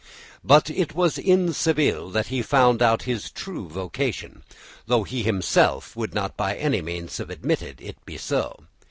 But it was in Seville that he found out his true vocation, though he himself would not by any means have admitted it to be so.